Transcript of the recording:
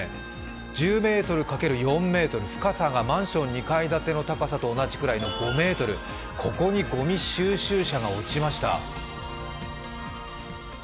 １０ｍかける４ｍ、深さがマンション２階建ての高さと同じ５ｍ、ここにごみ収集車が落ちました。